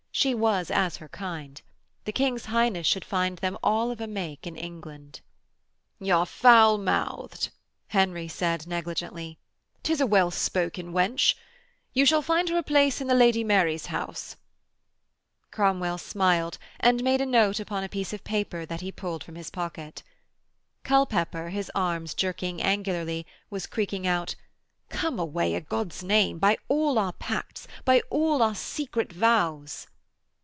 She was as her kind. The King's Highness should find them all of a make in England. 'Y' are foul mouthed,' Henry said negligently. ''Tis a well spoken wench. You shall find her a place in the Lady Mary's house.' Cromwell smiled, and made a note upon a piece of paper that he pulled from his pocket. Culpepper, his arms jerking angularly, was creaking out: 'Come away, a' God's name. By all our pacts. By all our secret vows.'